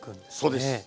そうです。